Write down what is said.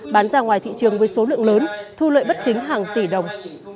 bán ra ngoài thị trường với số lượng lớn thu lợi bất chính hàng tỷ đồng